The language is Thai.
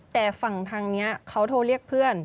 แต่ฝั่งทางนี้เขาโทรเรียกเพื่อน